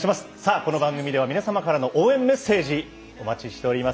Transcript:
この番組では、皆さまからの応援メッセージお待ちしております。